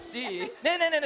ねえねえねえね